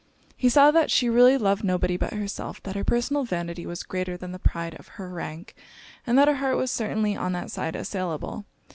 He saw that she really loved nobody but herself; that her personal vanity was greater than the pride of her rank; and that her heart was certainly on that side assailable.